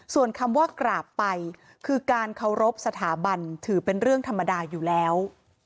ส่วนคำว่ากราบไปคือการเคารพสถาบันถือเป็นเรื่องธรรมดาอยู่แล้ว